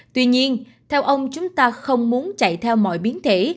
tuy nhiên theo ông chúng ta không muốn chạy theo mọi biến thể